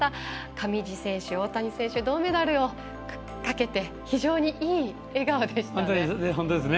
上地選手、大谷選手銅メダルをかけて非常にいい笑顔でしたね。